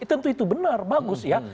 tentu itu benar bagus ya